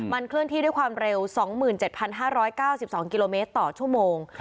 เคลื่อนที่ด้วยความเร็ว๒๗๕๙๒กิโลเมตรต่อชั่วโมง